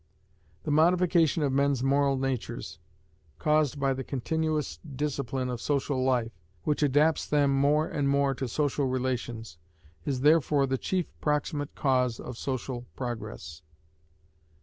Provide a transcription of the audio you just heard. The modification of men's moral natures, caused by the continuous discipline of social life, which adapts them more and more to social relations, is therefore the chief proximate cause of social progress."